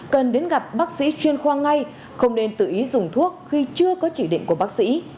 cần đến gặp bác sĩ chuyên khoa ngay không nên tự ý dùng thuốc khi chưa có chỉ định của bác sĩ